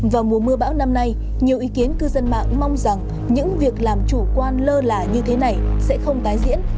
vào mùa mưa bão năm nay nhiều ý kiến cư dân mạng mong rằng những việc làm chủ quan lơ là như thế này sẽ không tái diễn